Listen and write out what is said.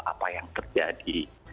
apa yang terjadi